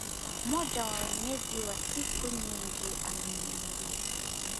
Mmoja wa Wenyeji wa siku nyingi ameniambia